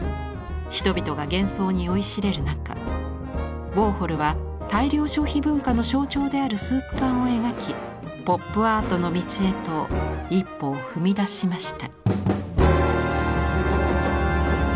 人々が幻想に酔いしれる中ウォーホルは大量消費文化の象徴であるスープ缶を描きポップアートの道へと一歩を踏み出しました。